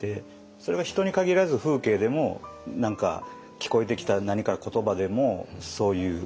それが人に限らず風景でも聞こえてきた何かの言葉でもそういう。